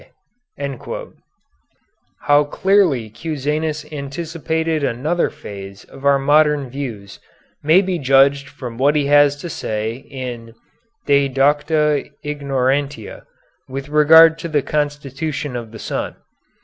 _" How clearly Cusanus anticipated another phase of our modern views may be judged from what he has to say in "De Docta Ignorantia" with regard to the constitution of the sun.